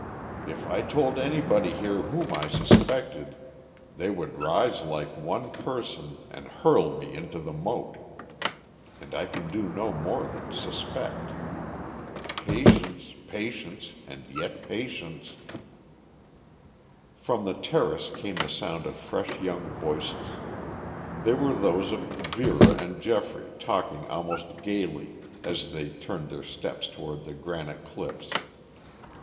If I told anybody here whom I suspected they would rise like one person, and hurl me into the moat. And I can do no more than suspect. Patience, patience, and yet patience." From the terrace came the sound of fresh young voices. They were those of Vera and Geoffrey talking almost gaily as they turned their steps toward the granite cliffs.